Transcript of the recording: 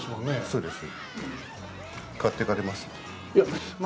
そうです。